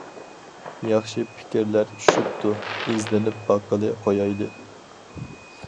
ياخشى پىكىرلەر چۈشۈپتۇ، ئىزدىنىپ باققىلى قويايلى.